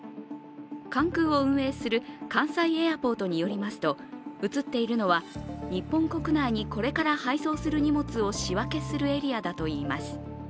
関空を運営する関西エアポートによりますと、映っているのは日本国内にこれから配送する荷物を仕分けするエリアだといいます。